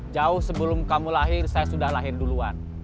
jauh sebelum kamu lahir saya sudah lahir duluan